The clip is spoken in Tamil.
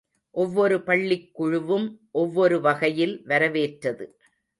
ஒவ்வொரு பள்ளிக் குழுவும் ஒவ்வொரு வகையில் வரவேற்றது.